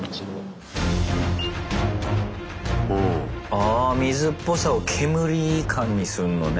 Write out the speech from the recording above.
あ水っぽさを煙感にすんのね。